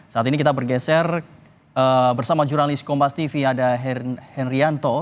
saat ini kita bergeser bersama jurnalis kompas tv ada henryanto